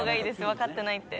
分かってないって。